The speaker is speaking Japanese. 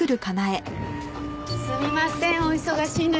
すみません。